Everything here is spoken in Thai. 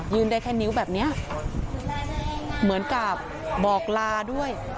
ได้แค่นิ้วแบบเนี้ยเหมือนกับบอกลาด้วย